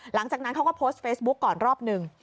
หลังจากนั้นเขาก็โพสต์เฟซบุ๊กก่อนรอบหนึ่ง